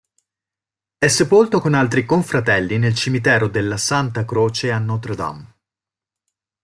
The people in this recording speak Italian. È sepolto con altri confratelli nel cimitero della Santa Croce a Notre Dame.